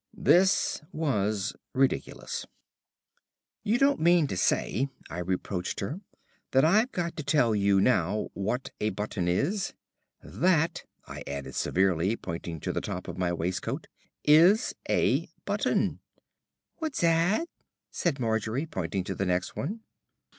This was ridiculous. "You don't mean to say," I reproached her, "that I've got to tell you now what a button is. That," I added severely, pointing to the top of my waistcoat, "is a button." "What's 'at?" said Margery, pointing to the next one.